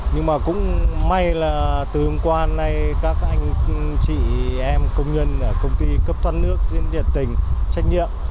nhưng mà cũng may là từ hôm qua nay các anh chị em công nhân ở công ty cấp thoát nước diễn nhiệt tình trách nhiệm